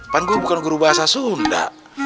pan gue bukan guru bahasa sunda